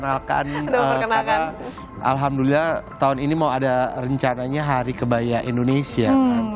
dan kata alhamdulillah tahun ini mau ada rencananya hari kebaya indonesia